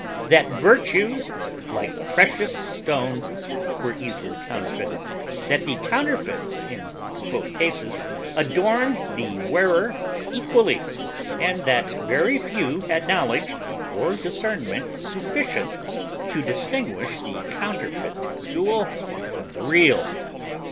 That virtues, like precious stones, were easily counterfeited; that the counterfeits in both cases adorned the wearer equally, and that very few had knowledge or discernment sufficient to distinguish the counterfeit jewel from the real.